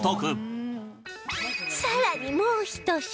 さらにもうひと品